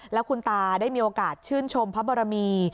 แล้วคุณตาได้มีโอกาสชื่นชมพระบรมี